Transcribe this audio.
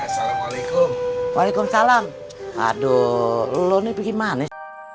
salamualaikum waalaikumsalam aduh lo nih bikin manis